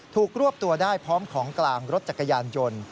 รวบตัวได้พร้อมของกลางรถจักรยานยนต์